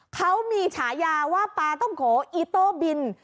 เขามีฉายาว่าปลาต้มโกอีโต้บิน